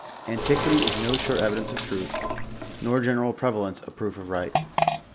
Antiquity is no sure eri dence of truth, nor general prevalence a proof of right.